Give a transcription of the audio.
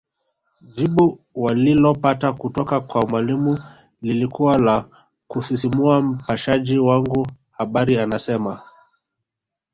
Jibu walilopata kutoka kwa Mwalimu lilikuwa la kusisimua Mpashaji wangu habari anasema